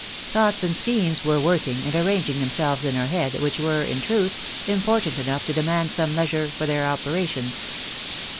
Thoughts and schemes were working and arranging them selves in her head, which were, in truth, important enough to demand some leisure for their operations.